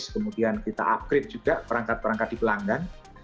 kemudian kita upgrade juga perangkat perangkat di pelanggan